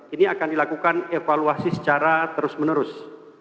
ini akan dilakukan evaluasi secara terus menerus